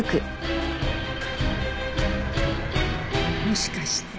もしかして。